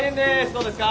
どうですか？